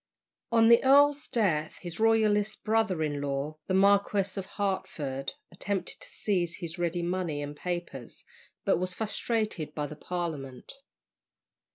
On the earl's death, his Royalist brother in law, the Marquis of Hertford, attempted to seize his ready money and papers, but was frustrated by the Parliament.